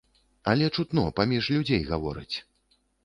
Але чутно, паміж людзей гавораць.